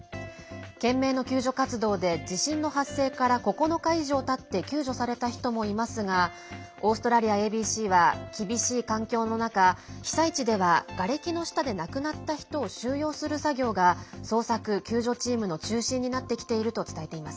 懸命の救助活動で地震の発生から９日以上たって救助された人もいますがオーストラリアＡＢＣは厳しい環境の中、被災地ではがれきの下で亡くなった人を収容する作業が捜索・救助チームの中心になってきていると伝えています。